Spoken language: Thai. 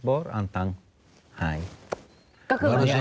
มีใครต้องจ่ายค่าคุมครองกันทุกเดือนไหม